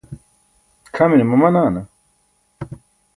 c̣ʰamine mamanaana?